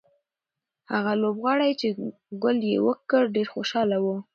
هغه لوبغاړی چې ګول یې وکړ ډېر خوشاله و.